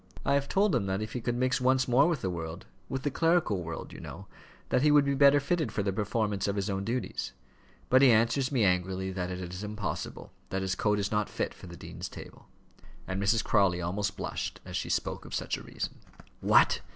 I have told him that if he could mix once more with the world, with the clerical world, you know, that he would be better fitted for the performance of his own duties. But he answers me angrily, that it is impossible that his coat is not fit for the dean's table," and Mrs. Crawley almost blushed as she spoke of such a reason. "What!